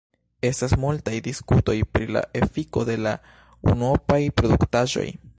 Estas multaj diskutoj pri la efiko de la unuopaj produktaĵoj.